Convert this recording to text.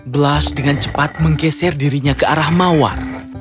blas dengan cepat menggeser dirinya ke arah mawar